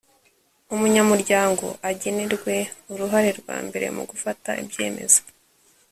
umunyamuryango agenerwe uruhare rwa mbere mu gufata ibyemezo